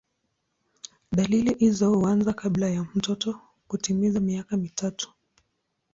Dalili hizo huanza kabla ya mtoto kutimiza miaka mitatu.